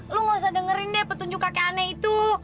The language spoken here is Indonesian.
lu gak usah dengerin deh petunjuk kakek aneh itu